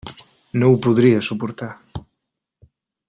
No ho podria suportar.